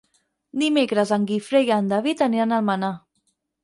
Dimecres en Guifré i en David aniran a Almenar.